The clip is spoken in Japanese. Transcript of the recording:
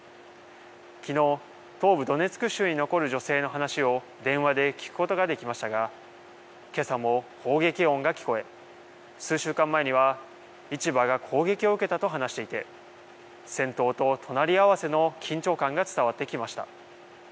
きのう、東部ドネツク州に残る女性の話を電話で聞くことができましたが、けさも砲撃音が聞こえ、数週間前には市場が攻撃を受けたと話していて、戦闘と隣り合わせの緊張感が伝わってきました。